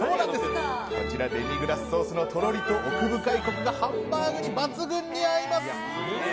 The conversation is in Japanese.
デミグラスソースのトロリと奥深いコクがハンバーグに抜群に合います！